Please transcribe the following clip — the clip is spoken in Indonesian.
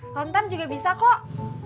kontan juga bisa kok